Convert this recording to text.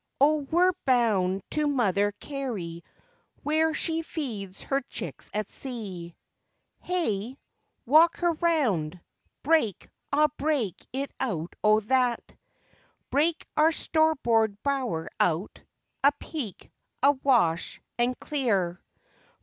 Oh, we're bound to Mother Carey where she feeds her chicks at sea!" Heh! Walk her round. Break, ah break it out o' that! Break our starboard bower out, apeak, awash, and clear.